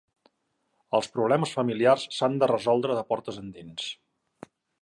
Els problemes familiars s'han de resoldre de portes endins.